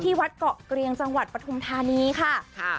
วัดเกาะเกรียงจังหวัดปฐุมธานีค่ะ